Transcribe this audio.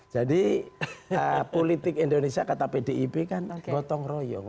jadi politik indonesia kata pdip kan gotong royong